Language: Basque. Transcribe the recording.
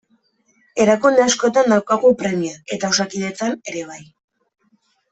Erakunde askotan daukagu premia eta Osakidetzan ere bai.